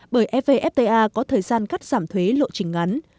bởi evfta có thời gian cắt giảm thuế lộ trình ngắn